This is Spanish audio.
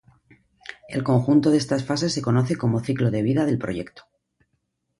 El conjunto de estas fases se conoce como ciclo de vida del proyecto.